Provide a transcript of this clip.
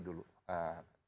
dia akan melihat situasi dulu